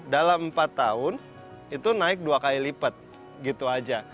dalam empat tahun itu naik dua kali lipat gitu aja